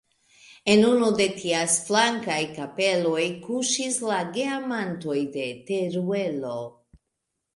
En unu de ties flankaj kapeloj kuŝis la Geamantoj de Teruelo.